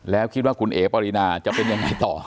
แล้วคิดว่าคุณเอ๋ปรินาจะเป็นยังไงต่อ